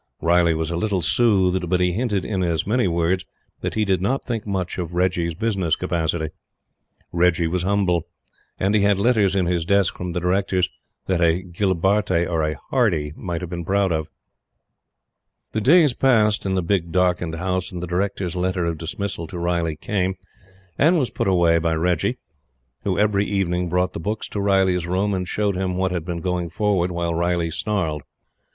Riley was a little soothed, but he hinted in as many words that he did not think much of Reggie's business capacity. Reggie was humble. And he had letters in his desk from the Directors that a Gilbarte or a Hardie might have been proud of! The days passed in the big darkened house, and the Directors' letter of dismissal to Riley came and was put away by Reggie, who, every evening, brought the books to Riley's room, and showed him what had been going forward, while Riley snarled.